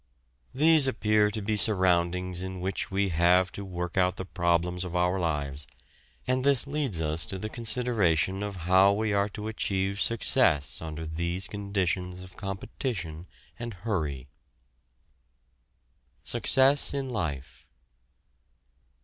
These appear to be surroundings in which we have to work out the problems of our lives, and this leads us to the consideration of how we are to achieve success under these conditions of competition and hurry. SUCCESS IN LIFE.